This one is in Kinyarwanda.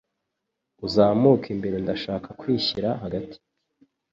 Uzamuke imbere Ndashaka kwishyira hagati